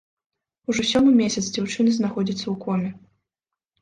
Ужо сёмы месяц дзяўчына знаходзіцца ў коме.